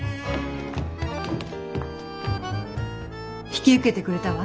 引き受けてくれたわ。